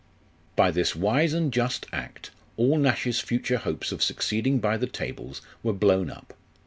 By this wise and just act, all Nash's future hopes of succeeding by the tables were blown up.